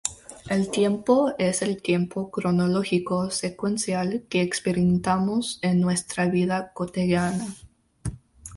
El "tiempo" es el tiempo cronológico secuencial que experimentamos en nuestra vida cotidiana.